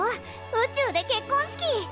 宇宙で結婚式！